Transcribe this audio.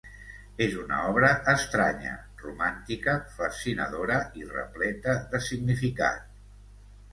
És una obra estranya, romàntica fascinadora i repleta de significat.